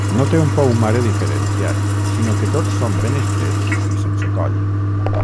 No té un pou mare diferenciat, sinó que tots són ben estrets i sense coll.